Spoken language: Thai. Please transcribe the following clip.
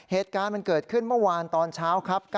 เหตุการณ์มันเกิดขึ้นเมื่อวานตอนเช้าครับ